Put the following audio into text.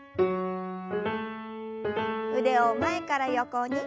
腕を前から横に。